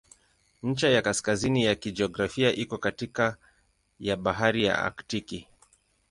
Ncha ya kaskazini ya kijiografia iko katikati ya Bahari ya Aktiki.